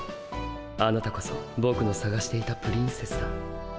あなたこそぼくのさがしていたプリンセスだ。